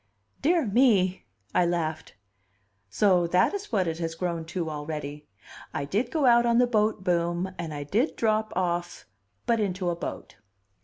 "Dear me!" I laughed. "So that is what it has grown to already! I did go out on the boat boom, and I did drop off but into a boat."